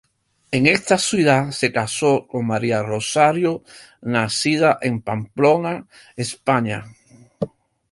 En esta ciudad se casó con María Rosario, nacida en Pamplona, España.